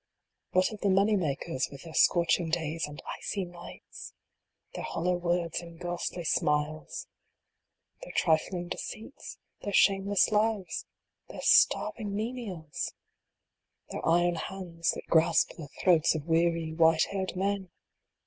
What of the money makers, with their scorching days and icy nights ? Their hollow words and ghastly smiles ? Their trifling deceits ? Their shameless lives ? Their starving menials ? Their iron hands, that grasp the throats of weary, white haired men